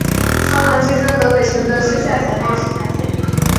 双滦区是河北省承德市下辖的一个市辖区。